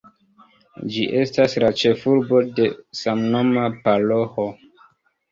Ĝi estas la ĉefurbo de samnoma paroĥo.